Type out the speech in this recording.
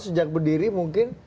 sejak berdiri mungkin